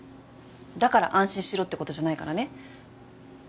だから安心しろってことじゃないからね